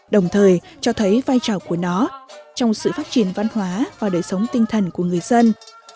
đồng thời cho thấy vai trò của nó trong sự phát triển văn hóa và đời sống tinh thần của người dân